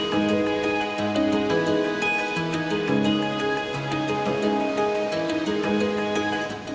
kepulauan ini juga diperlukan dengan perangkap